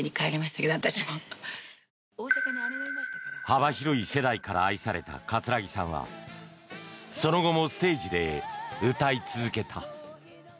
幅広い世代から愛された葛城さんはその後もステージで歌い続けた。